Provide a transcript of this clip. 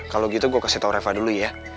kalau gitu gue kasih tau reva dulu ya